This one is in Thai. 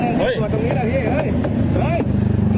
มีแล้วก่อนหน่อยไม่ได้ลดเนี่ยนักลึกกลื่นมีระเบิร์นเลย